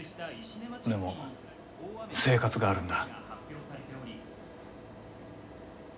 でも生活があるんだ。